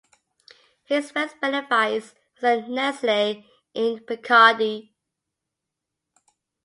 His first benefice was at Nesle in Picardy.